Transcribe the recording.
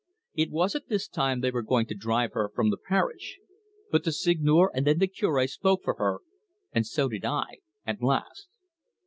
It was at this time they were going to drive her from the parish. But the Seigneur and then the Cure spoke for her, and so did I at last."